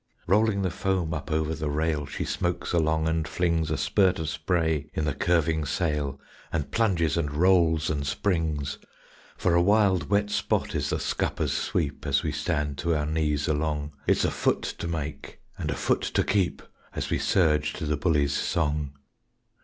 Rolling the foam up over the rail She smokes along and flings A spurt of spray in the curving sail, And plunges and rolls and springs; For a wild, wet spot is the scuppers' sweep, As we stand to our knees along It's a foot to make and a foot to keep As we surge to the bullie's song.